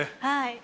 はい。